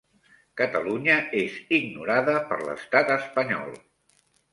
Catalunya és ignorada per l'estat espanyol.